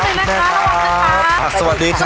มาร้อนเลยนะคะระหว่างเวลานะค่ะสวัสดีครับ